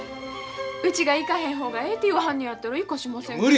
うちが行かへん方がええて言わはんのやったら行かしませんけど。